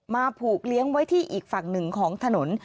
ผูกเลี้ยงไว้ที่อีกฝั่งหนึ่งของถนน